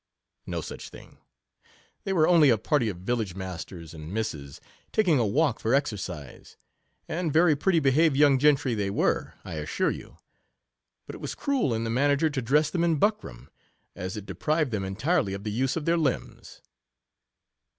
No such thing— they were only a party of village masters and misses, taking a walk for exercise, and very pretty 12 behaved young gentry they were, I assure you; but it was cruel in the manager to dress them in buckram, as it deprived them entirely of the use of their limbs.